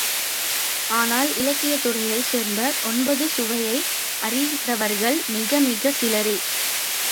ஆனால் இலக்கியத் துறையைச் சேர்ந்த ஒன்பது சுவையை அறிந்தவர்கள் மிகமிகச் சிலரே.